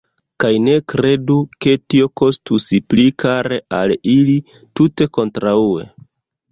Kaj ne kredu, ke tio kostus pli kare al ili: tute kontraŭe!